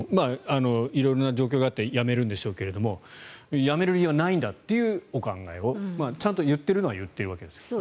色々な状況があって辞めるんでしょうけど辞める理由はないんだというお考えをちゃんと言っているのは言っているわけですね。